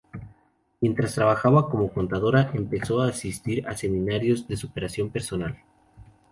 Mientras trabajaba como contadora, empezó a asistir a seminarios de superación personal.